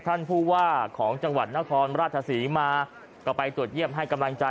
ท่านผู้ว่าของจังหวัดนครราชศรีมาก็ไปตรวจเยี่ยมให้กำลังใจ